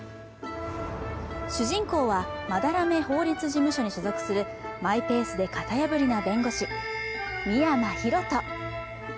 主人公は斑目法律事務所に勤続するマイペースで型破りな弁護士、深山大翔。